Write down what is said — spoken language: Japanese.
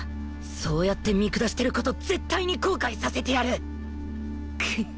そうやって見下してる事絶対に後悔させてやる！